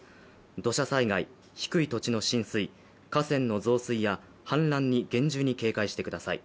土砂災害、低い土地の浸水、河川の増水や氾濫に厳重に警戒してください。